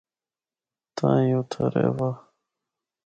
تاں ہی اُتّھا رہوّا۔